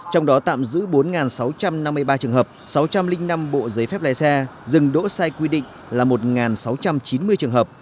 trong đó tạm giữ bốn sáu trăm năm mươi ba trường hợp sáu trăm linh năm bộ giấy phép lái xe dừng đỗ sai quy định là một sáu trăm chín mươi trường hợp